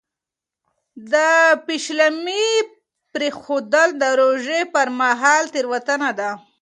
د پېشلمي پرېښودل د روژې پر مهال تېروتنه ده.